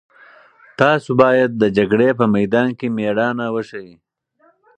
تاسو باید د جګړې په میدان کې مېړانه وښيئ.